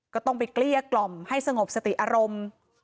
ก็ต้องไปเกลี้ยกล่อมให้สงบสติอารมณ์